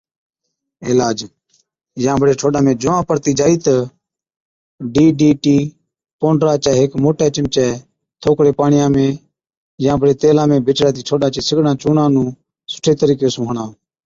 عِلاج، يان بڙي ٺوڏا ۾ جُوئان پڙتِي جائِي تہ ڊِي، ڊِي ٽِي پونڊرا چي هيڪ موٽَي چمچَي ٿوڪڙي پاڻِيان ۾ يان بڙي تيلا ۾ بِچڙاتِي ٺوڏا چي سِگڙان چُونڻان نُون سُٺي طرِيقي سُون هڻا۔